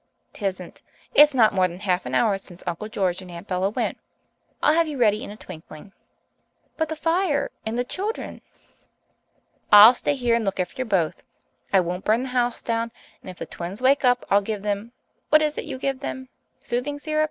"'Tisn't. It's not more than half an hour since Uncle George and Aunt Bella went. I'll have you ready in a twinkling." "But the fire and the children!" "I'll stay here and look after both. I won't burn the house down, and if the twins wake up I'll give them what is it you give them soothing syrup?